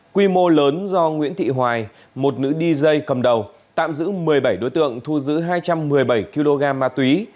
quy mô lớn do nguyễn thị hoài một nữ dj cầm đầu tạm giữ một mươi bảy đối tượng thu giữ hai trăm một mươi bảy kg ma túy